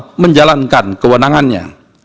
secara optimal menjalankan kewenangannya